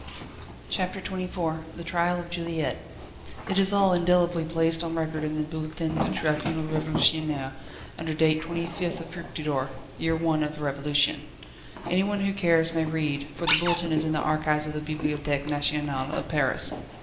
CHAPTER XXIV The trial of Juliette. It is all indelibly placed on record in the "Bulletin du Tribunal Révolutionnaire," under date 25th Fructidor, year I. of the Revolution. Anyone who cares may read, for the Bulletin is in the Archives of the Bibliothèque Nationale of Paris.